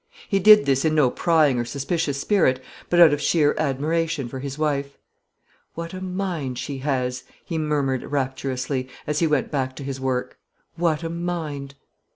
He did this in no prying or suspicious spirit, but out of sheer admiration for his wife. "What a mind she has!" he murmured rapturously, as he went back to his work; "what a mind!"